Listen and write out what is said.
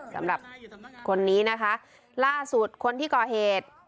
สำหรับคนนี้นะคะล่าสุดคนที่ก่อเหตุ